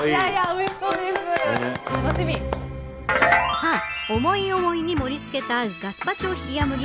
さあ、思い思いに盛りつけたガスパチョ冷麦。